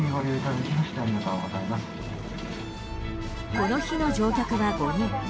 この日の乗客は５人。